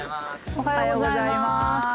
おはようございます。